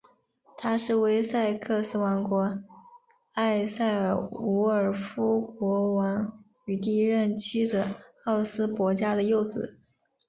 他是威塞克斯王国埃塞尔伍尔夫国王与第一任妻子奥斯博嘉的幼子。